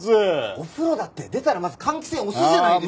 お風呂だって出たらまず換気扇押すじゃないですか。